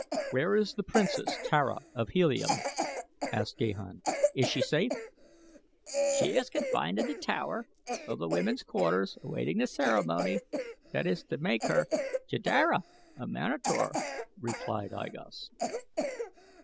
"Where is the Princess Tara of Helium?" asked Gahan. "Is she safe?" "She is confined in the tower of the women's quarters awaiting the ceremony that is to make her Jeddara of Manator," replied I Gos.